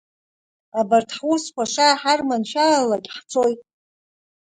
Абарҭ ҳусқәа шааҳарманшәалалак ҳцоит…